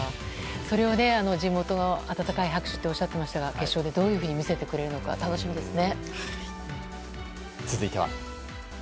それを地元の温かい拍手とおっしゃってましたが決勝でどういうふうに見せてくれるのか楽しみですね。